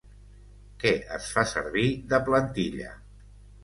Què es fa servir de plantilla?